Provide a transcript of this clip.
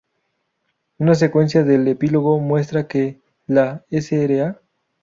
Una secuencia del epílogo muestra que la Sra.